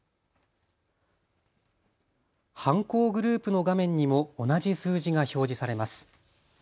犯行グループの画面にも同じ数字が表示されます。